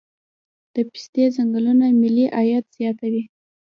د پستې ځنګلونه ملي عاید زیاتوي.